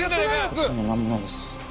こっちには何もないです。